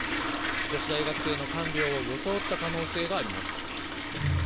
女子大学生の看病を装った可能性があります。